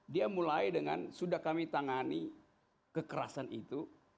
dia mulai dengan sudah kami tangani kekerasan itu